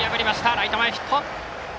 ライト前ヒット。